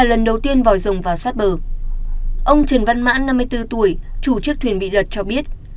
ông trần văn mãn năm mươi bốn tuổi chủ chiếc thuyền bị lật cho biết